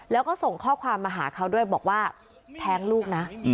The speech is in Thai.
แล้วก็ส่งข้อความมาหาเขาด้วยบอกว่าแท้งลูกนะ